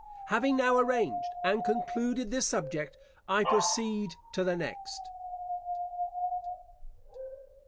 Having now arranged and concluded this subject, I proceed to the next.